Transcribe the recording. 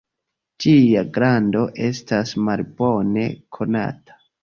Ĝia grando estas malbone konata.